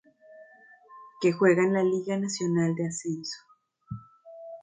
Que juega en la Liga Nacional de Ascenso.